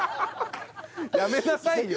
やめなさいよ。